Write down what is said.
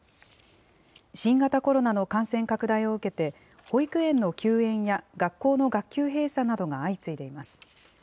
新型コロナの感染拡大を受けて、保育園の休園や学校の学級閉鎖などが相次いでいます。